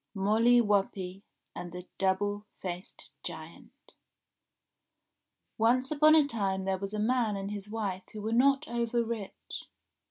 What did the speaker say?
! MOLLY WHUPPIE AND THE DOUBLE FACED GIANT ONCE upon a time there was a man and his wife who were not over rich.